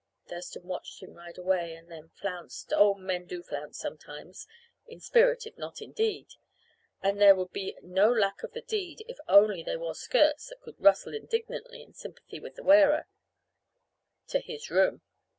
Thurston watched him ride away, and then flounced, oh, men do flounce at times, in spirit, if not in deed; and there would be no lack of the deed if only they wore skirts that could rustle indignantly in sympathy with the wearer to his room.